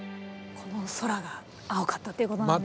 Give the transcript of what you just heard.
この空が青かったということなんですね。